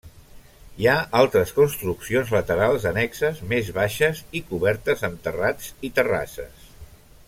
Hi ha altres construccions laterals annexes, més baixes i cobertes amb terrats i terrasses.